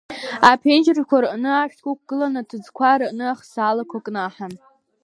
Аԥенџьырқәа рҟны ашәҭқәа ықәгылан, аҭыӡқәа рыҟны ахсаалақәа кнаҳан.